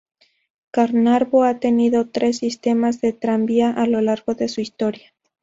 Carnarvon ha tenido tres sistemas de tranvía a lo largo de su historia.